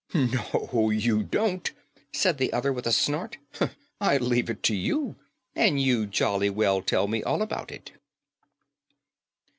"No, you don't," said the other with a snort. "I leave it to you; and you jolly well tell me all about it."